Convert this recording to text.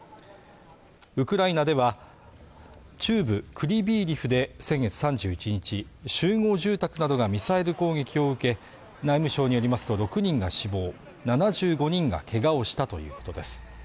ウクライナでは中部クリヴィー・リフで先月３１日集合住宅などがミサイル攻撃を受け内務省によりますと６人が死亡７５人がけがをしたということです